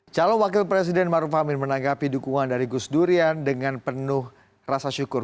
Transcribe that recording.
calon wakil presiden maruf amin menanggapi dukungan dari gus durian dengan penuh rasa syukur